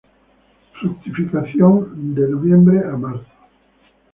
Fructificación nov.-mar.